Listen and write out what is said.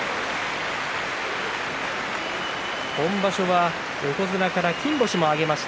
今場所は横綱から金星も挙げています。